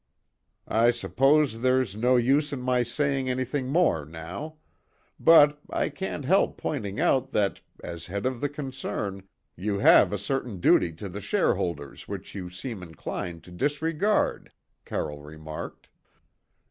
"I suppose there's no use in my saying anything more now; but I can't help pointing out that, as head of the concern, you have a certain duty to the shareholders which you seem inclined to disregard," Carroll remarked.